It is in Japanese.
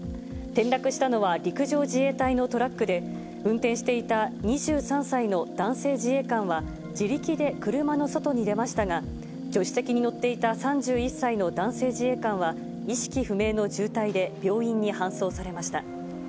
転落したのは陸上自衛隊のトラックで、運転していた２３歳の男性自衛官は、自力で車の外に出ましたが、助手席に乗っていた３１歳の男性自衛官は意識不明の重体で、病院に搬送されました。